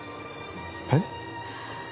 えっ？